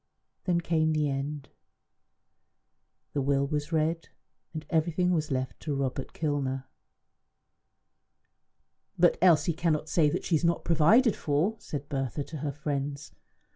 Then came the end. The will was read, and everything was left to Robert Kilner. "But Elsie cannot say that she is not provided for," said Bertha to her friends.